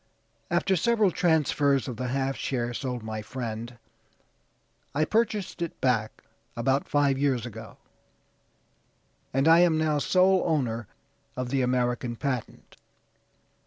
After several transfers of the half share sold my friend, I purchased it back, about five years ago, and I am now sole owner of the American patent."